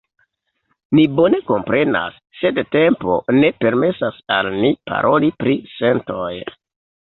Ni bone komprenas, sed tempo ne permesas al ni paroli pri sentoj.